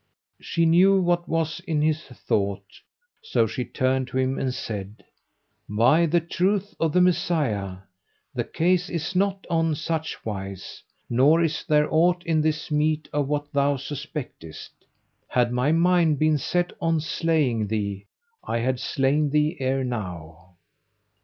She knew what was in his thought; so she turned to him and said, "By the truth of the Messiah, the case is not on such wise, nor is there aught in this meat of what thou suspectest! Had my mind been set on slaying thee, I had slain thee ere now."